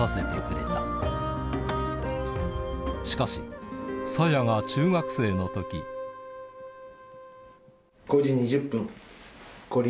しかしさやが中学生の時５時２０分。